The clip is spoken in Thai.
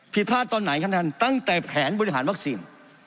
ผิดพลาดตอนไหนครับท่านตั้งแต่แผนบริหารวัคซีน